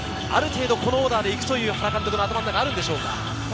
ある程度このオーダーで行くという原監督の思いはあるんでしょうか？